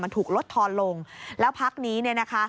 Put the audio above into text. มันถูกลดทอนลงแล้วพักนี้เนี่ยนะคะ